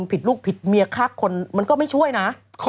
ผิดลูกผิดเมียฆ่าคนมันก็ไม่ช่วยนะ